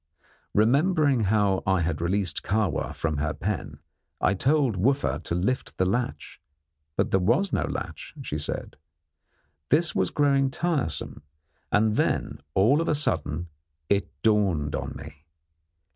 Remembering how I had released Kahwa from her pen, I told Wooffa to lift the latch; but there was no latch, she said. This was growing tiresome, and then, all of a sudden, it dawned on me.